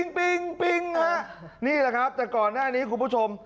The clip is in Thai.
นี่แหละครับแต่ก่อนหน้านี้คุณผู้ชม